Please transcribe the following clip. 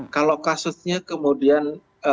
kalau kasusnya kemudian